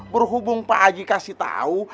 berhubung pak aji kasih tahu